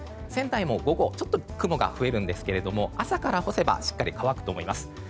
仙台も午後、ちょっと雲が増えるんですが朝から干せばしっかり乾くと思います。